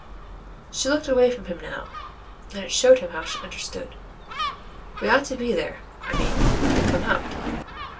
She looked away from him now, and it showed him how she understood. "We ought to be there I mean when they come out."